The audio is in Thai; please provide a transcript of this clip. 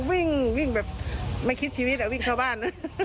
วิ่งวิ่งแบบไม่คิดชีวิตวิ่งเข้าบ้านนะ